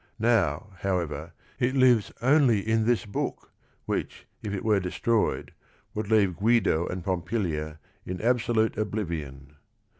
Now, however, it lives only in this book, which, if it were destroyed, would leave Guido and Pompilia in absolute oblivion.